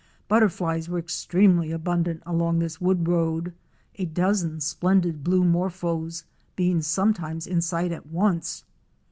Butter flies were extremely abundant along this wood road, a dozen splendid blue Morphos being sometimes in sight at once.